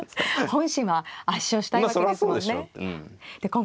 本心は圧勝したいわけですもんね。